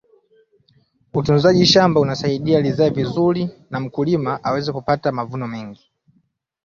utunzaji shamba unasaidia lizae vizuri na mkulima aweze kupata mavuno mengi